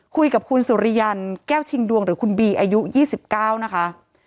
คุยกับคุณสุริยันแก้วชิงดวงหรือคุณบีอายุ๒๙นะคะ